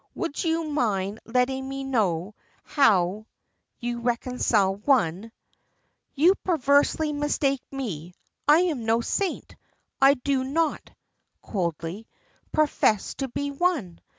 Would you mind letting me know how you reconcile one " "You perversely mistake me I am no saint. I do not" coldly "profess to be one.